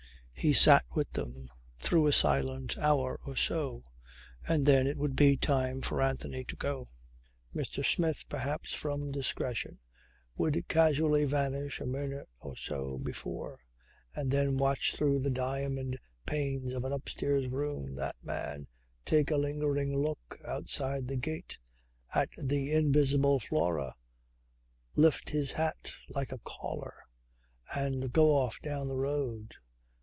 He sat with them, through a silent hour or so, and then it would be time for Anthony to go. Mr. Smith, perhaps from discretion, would casually vanish a minute or so before, and then watch through the diamond panes of an upstairs room "that man" take a lingering look outside the gate at the invisible Flora, lift his hat, like a caller, and go off down the road.